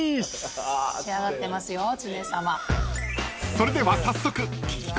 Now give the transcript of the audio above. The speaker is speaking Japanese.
［それでは早速］